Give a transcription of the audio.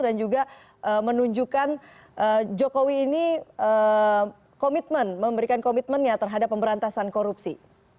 dan juga menunjukkan jokowi ini komitmen memberikan komitmen terhadap pemberantasan korupsi